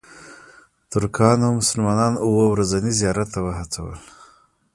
ترکانو مسلمانان اوو ورځني زیارت ته وهڅول.